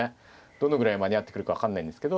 どのぐらい間に合ってくるか分からないんですけど。